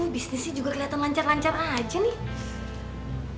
bisa sih juga keliatan lancar lancar aja nih